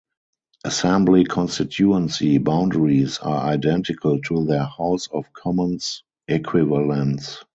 Assembly Constituency boundaries are identical to their House of Commons equivalents.